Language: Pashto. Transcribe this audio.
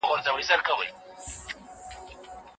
ابوالعاص بن الربیع کله مسلمان سو؟